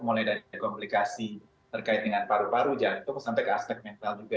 mulai dari komplikasi terkait dengan paru paru jantung sampai ke aspek mental juga